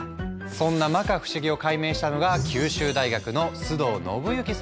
そんなまか不思議を解明したのが九州大学の須藤信行さんの研究チーム。